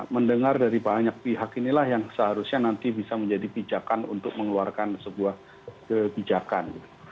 mendengar dari banyak pihak inilah yang seharusnya nanti bisa menjadi pijakan untuk mengeluarkan sebuah kebijakan